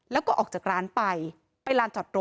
แล้วก็ออกจากร้านไปไปลานจอดรถ